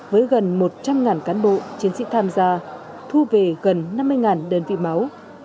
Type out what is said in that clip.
với gần một trăm linh cán bộ chiến sĩ tham gia thu về gần năm mươi đơn vị máu